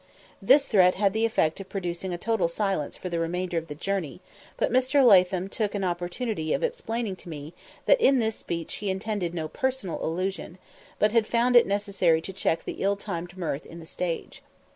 This threat had the effect of producing a total silence for the remainder of the journey; but Mr. Latham took an opportunity of explaining to me that in this speech he intended no personal allusion, but had found it necessary to check the ill timed mirth in the stage.